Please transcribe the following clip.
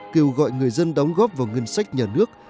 kêu gọi người dân đóng góp vào ngân sách nhà nước